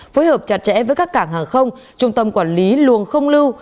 phối hợp chặt chẽ với các cảng hàng không trung tâm quản lý luồng không lưu